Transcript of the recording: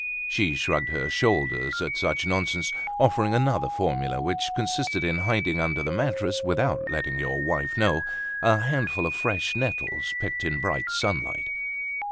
She shrugged her shoulders at such nonsense, offering another formula which consisted in hiding under the mattress, without letting your wife know, a handful of fresh nettles picked in bright sunlight.